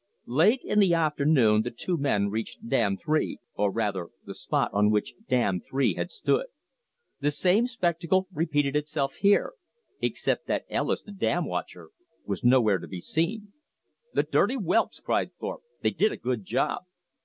Late in the afternoon the two men reached Dam Three, or rather the spot on which Dam Three had stood. The same spectacle repeated itself here, except that Ellis, the dam watcher, was nowhere to be seen. "The dirty whelps," cried Thorpe, "they did a good job!"